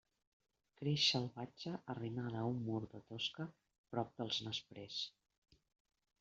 Creix salvatge arrimada a un mur de tosca prop dels nesprers.